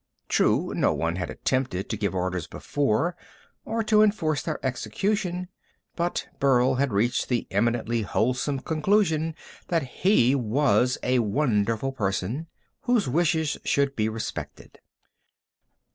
True, no one had attempted to give orders before, or to enforce their execution, but Burl had reached the eminently wholesome conclusion that he was a wonderful person whose wishes should be respected.